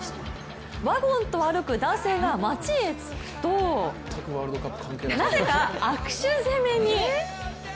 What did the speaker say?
ワゴンと歩く男性が街へ着くとなぜか握手攻めに？